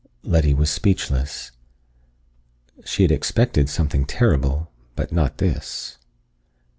Letty was speechless. She had expected something terrible, but not this.